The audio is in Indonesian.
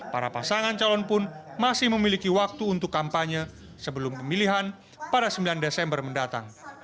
para pasangan calon pun masih memiliki waktu untuk kampanye sebelum pemilihan pada sembilan desember mendatang